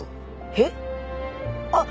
へっ？あっ！